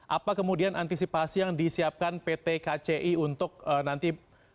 apa kemudian antisipasi yang disiapkan pt kci untuk nanti